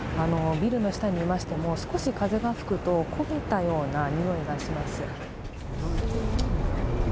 ビルの下にいましても、少し風が吹くと焦げたような臭いがします。